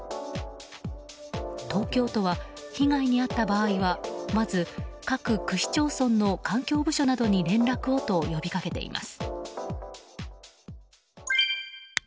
東京都は被害に遭った場合はまず各区市町村の環境部署などに連絡をと呼びかけています。